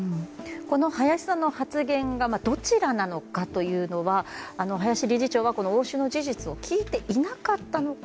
この林さんの発言がどちらなのかというのは林理事長は押収の事実を聞いていなかったのか